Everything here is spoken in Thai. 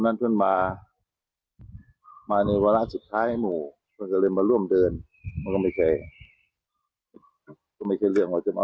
มันเพิ่มมามาในเวลาสุดคลายไม่ออกมาร่วมเดินไหมเป็นเรื่องด้วย